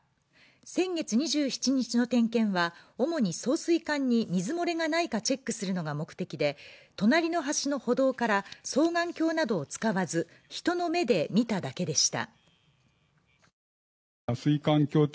先月２７日の点検は主に送水管に水漏れがないかチェックするのが目的で隣の橋の歩道から双眼鏡などを使わず、人の目で見ただけでした。